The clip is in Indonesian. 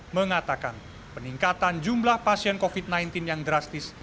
mengatakan peningkatan jumlah pasien covid sembilan belas yang drastis